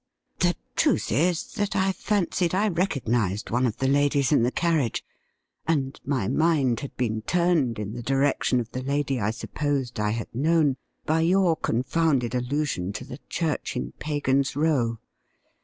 The truth is, that I 186 THE RIDDLE RING fancied I recognised one of the ladies in the carriage, and my mind had been turned in the direction of the lady I supposed I had known by your confounded allusion to the church in Pagan's Row.